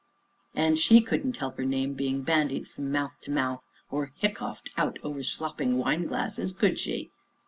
"And she couldn't help her name being bandied from mouth to mouth, or 'hiccoughed out over slopping wineglasses,' could she?"